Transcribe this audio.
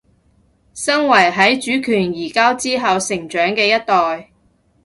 身為喺主權移交之後成長嘅一代